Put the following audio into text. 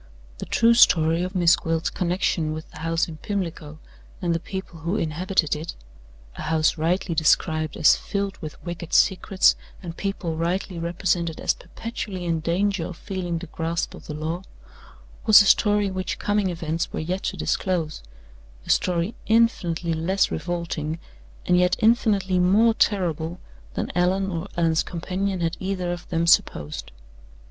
The true story of Miss Gwilt's connection with the house in Pimlico and the people who inhabited it a house rightly described as filled with wicked secrets, and people rightly represented as perpetually in danger of feeling the grasp of the law was a story which coming events were yet to disclose: a story infinitely less revolting, and yet infinitely more terrible, than Allan or Allan's companion had either of them supposed.